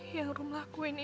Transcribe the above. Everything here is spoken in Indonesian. yang rumahku ini